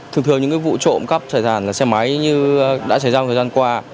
thực thường những vụ trộm cắp tài sản là xe máy như đã xảy ra một thời gian qua